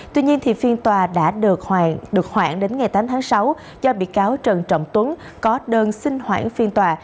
tuy nhiên phiên tòa đã được khoảng đến ngày tám tháng sáu do bị cáo trần trọng tuấn có đơn xin hoãn phiên tòa